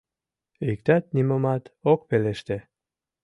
Иктат нимомат ок пелеште.